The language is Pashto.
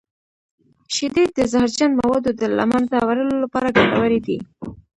شیدې د زهرجن موادو د له منځه وړلو لپاره ګټورې دي.